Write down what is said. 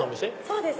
そうです。